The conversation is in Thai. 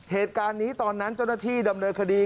เหตุการณ์นี้ตอนนั้นเจ้าหน้าที่ดำเนินคดี